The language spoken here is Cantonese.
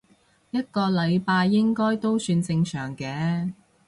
一個禮拜應該都算正常嘅